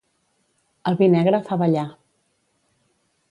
El vi negre fa ballar.